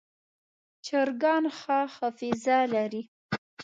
چرګان ښه حافظه لري.